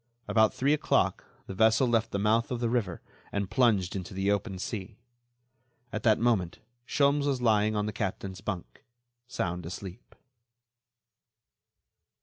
About three o'clock the vessel left the mouth of the river and plunged into the open sea. At that moment Sholmes was lying on the captain's bunk, sound asleep.